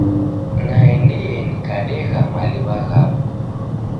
Naendie nikadegha maliw'a ghapo.